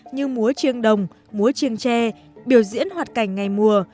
như múa chiêng đồng múa chiêng tre biểu diễn hoạt cảnh ngày mùa